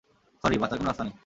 Sorry, বাঁচার কোনো রাস্তা নেই।